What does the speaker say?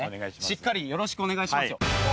しっかりよろしくお願いしますよ。